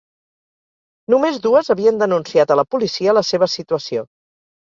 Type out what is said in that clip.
Només dues havien denunciat a la policia la seva situació.